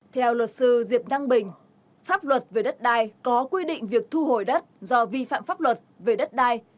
theo luật sư diệp thăng bình pháp luật về đất đai có quy định việc thu hồi đất do vi phạm pháp luật về đất đai